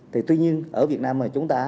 thì tuy nhiên ở việt nam mà chúng ta